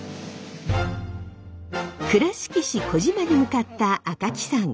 倉敷市児島に向かった赤木さん。